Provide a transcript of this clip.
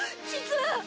実は。